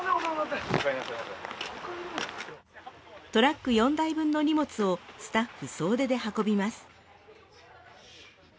トラック４台分の荷物をスタッフ総出で運びます。